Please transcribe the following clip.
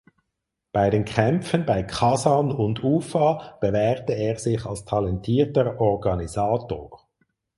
Bei den Kämpfen bei Kasan und Ufa bewährte er sich als talentierter Organisator.